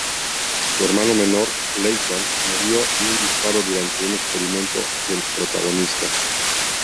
Su hermano menor, Layton, murió de un disparo durante un experimento del protagonista.